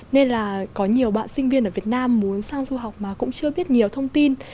nên là có nhiều bạn sinh viên ở việt nam muốn sang du học mà cũng chưa biết nhiều thông tin